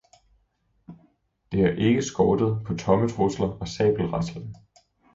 Det har ikke skortet på tomme trusler og sabelraslen.